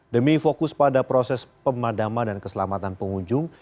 demi fokus pada proses pemadaman dan keselamatan pengunjung